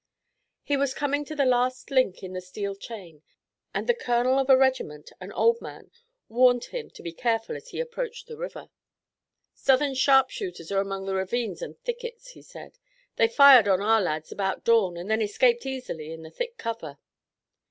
He was coming to the last link in the steel chain, and the colonel of a regiment, an old man, warned him to be careful as he approached the river. "Southern sharpshooters are among the ravines and thickets," he said. "They fired on our lads about dawn and then escaped easily in the thick cover."